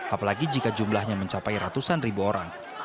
apalagi jika jumlahnya mencapai ratusan ribu orang